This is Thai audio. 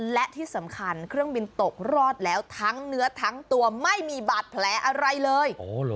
และที่สำคัญเครื่องบินตกรอดแล้วทั้งเนื้อทั้งตัวไม่มีบาดแผลอะไรเลย